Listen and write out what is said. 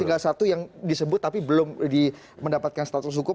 tinggal satu yang disebut tapi belum mendapatkan status hukum